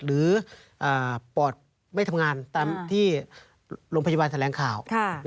ปอดไม่ทำงานตามที่โรงพยาบาลแถลงข่าว